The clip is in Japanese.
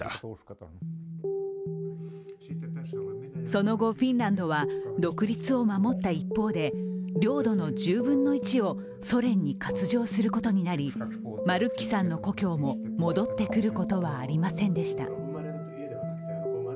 その後、フィンランドは独立を守った一方で領土の１０分の１をソ連に割譲することになりマルッキさんの故郷も戻ってくることはありませんでした。